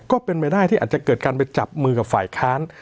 ก็เป็นไปได้ที่อาจจะเกิดการไปจับมือกับฝ่ายค้าน